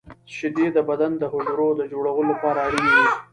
• شیدې د بدن د حجرو د جوړولو لپاره اړینې دي.